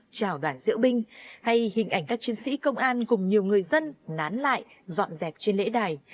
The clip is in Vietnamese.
chào đoàn diễu binh hay hình ảnh các chiến sĩ công an cùng nhiều người dân nán lại dọn dẹp trên lễ đài